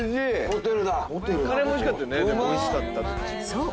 ［そう。